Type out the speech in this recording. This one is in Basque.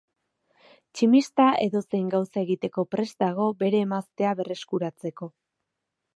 Tximista edozein gauza egiteko prest dago bere emaztea berreskuratzeko.